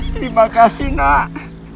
terima kasih nak